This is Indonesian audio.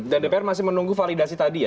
dan dpr masih menunggu validasi tadi ya